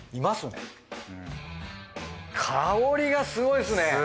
香りがすごいですね。